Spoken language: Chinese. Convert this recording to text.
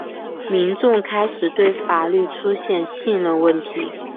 民众开始对法律出现信任问题。